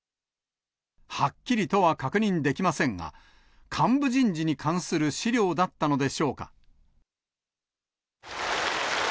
はっきりとは確認できませんが、幹部人事に関する資料だったのでしょうか。